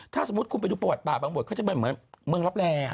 ถ้าสมมุติคุณไปดูประวัติป่าบางบทเขาจะเป็นเหมือนเมืองรับแร่